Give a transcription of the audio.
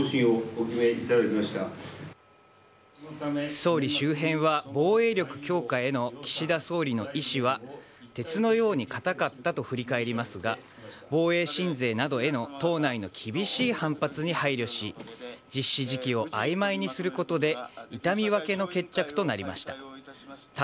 総理周辺は防衛力強化への岸田総理の意思は鉄のように固かったと振り返りますが防衛新税などへの党内の厳しい反発に配慮し実施時期を曖昧にすることで痛み分けの決着となりました。